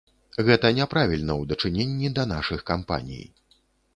Гэта няправільна ў дачыненні да нашых кампаній.